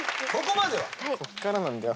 こっからなんだよ。